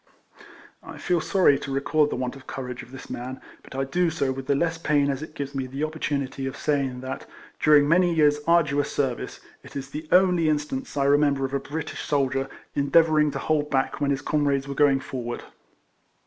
I feel sorry to record the want of courage EIELEMAN HARRIS. 19 of this man, but I do so with the less pain as it gives me the opportunity of saying that during many years' arduous service, it is the only instance I remember of a British soldier endeavouring to hold back when his comrades were going forward.